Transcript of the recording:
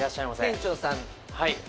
店長さん？